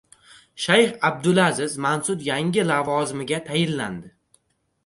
Shayx Abdulaziz Mansur yangi lavozimga tayinlandi